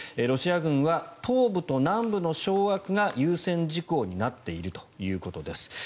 ロシア軍は東部と南部の掌握が優先事項になっているということです。